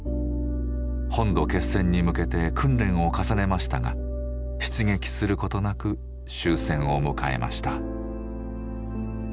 本土決戦に向けて訓練を重ねましたが出撃することなく終戦を迎えました。